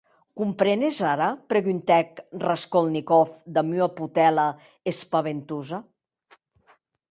Comprenes ara?, preguntèc Raskolnikov damb ua potèla espaventosa.